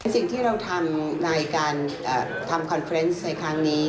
สิ่งที่เราทำในการทำคอนเฟรนซ์ในครั้งนี้